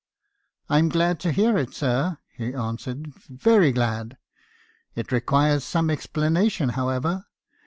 '"I'm glad to hear it, sir,' he answered, 'very glad. It requires some explanation, however.